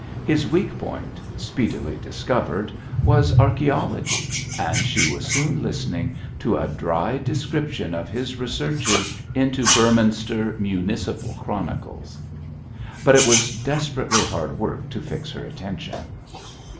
His weak point, speedily discovered, was archæology, and she was soon listening to a dry description of his researches into Beorminster municipal chronicles. But it was desperately hard work to fix her attention.